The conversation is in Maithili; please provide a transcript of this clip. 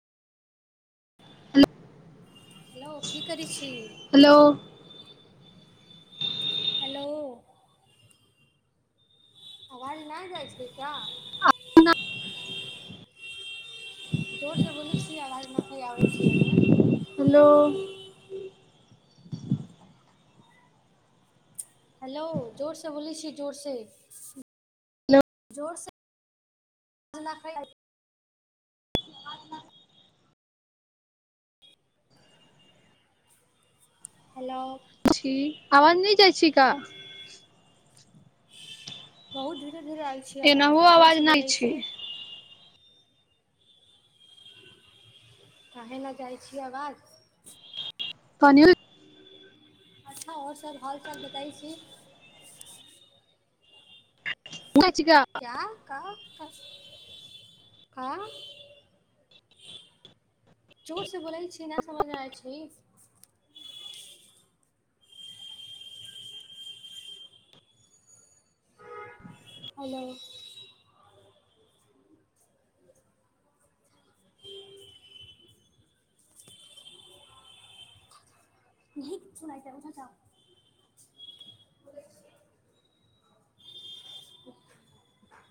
[inaudible] हेलो की करै छी हेलो हेलो अवाज नहि जाइ छैय क्या? [unintelligible] हेलो हेलो जोर से बोलै छी जोर से हेलो जोर से [unintelligible] हेलाउ छी आवाज नइ जाइ छी का बहुत धीरे धीरे आइ छी आवाज जोर से बोलै छी काहेला जाइ छि आवाज [unintelligible] अच्छा ओर सब हालचाल बताइ छी नाइच के आ क्या का कथि का जोर से बोलै छी ना समझ मे आइ छी हलो [unintelligible]